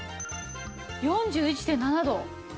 ４１．７度。